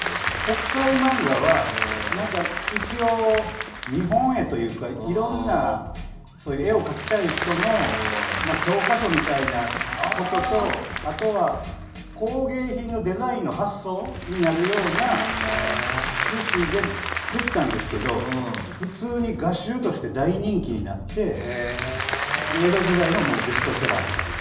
「北斎漫画」は一応、見本絵というかいろんな絵を描きたい人の教科書みたいなこととあとは、工芸品のデザインの発想になるような趣旨で作ったんですけど普通に画集として大人気になって江戸時代のベストセラーみたいな。